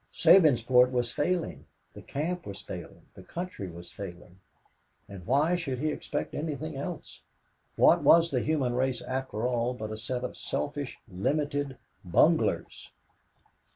Sabinsport was failing, the camp was failing, the country was failing. And why should he expect anything else? What was the human race, after all, but a set of selfish, limited bunglers?